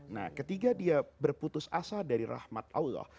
nah ketika dia berputus asa dari rahmat allah